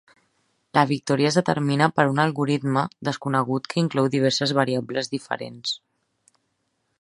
La victòria es determina per un algoritme desconegut que inclou diverses variables diferents.